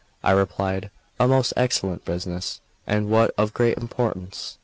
I replied: "A most excellent business, and one of great importance."